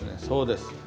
そうです。